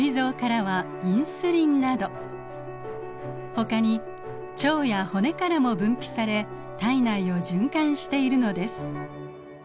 ほかに腸や骨からも分泌され体内を循環しているのです。